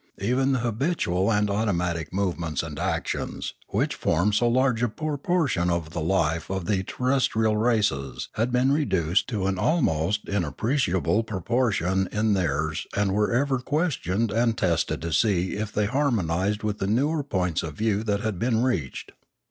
Even the habitual and automatic movements and actions, which form so large a proportion of the life of the other terrestrial races had been reduced to an almost inappreciable propor tion in theirs and were ever being questioned and tested to see if they harmonised with the newer points of view that had been reached.